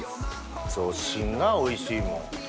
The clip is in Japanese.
そう芯がおいしいもん。